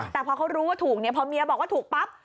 แต่พอเขารู้ว่าถูกเนี่ยพอเมียบอกว่าถูกปั๊บ